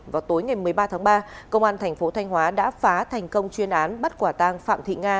vào tối ngày một mươi ba tháng ba công an tp thanh hóa đã phá thành công chuyên án bắt quả tàng phạm thị nga